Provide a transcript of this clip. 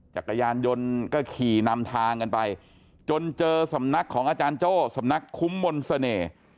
จักรยานยนต์ก็ขี่นำทางกันไปจนเจอสำนักของอาจารย์โจ้สำนักคุ้มมนต์เสน่ห์